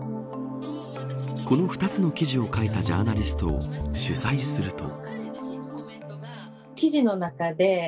この２つの記事を書いたジャーナリストを取材すると。